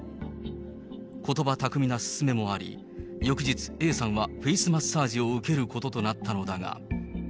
ことば巧みな勧めもあり、翌日、Ａさんはフェイスマッサージを受けることとなったのだが。